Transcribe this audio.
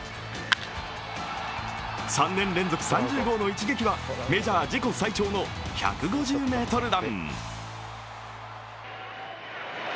３年連続３０号の一撃はメジャー自己最長の１５０ｍ弾。